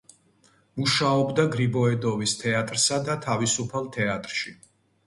მუშაობდა გრიბოედოვის თეატრსა და თავისუფალ თეატრში.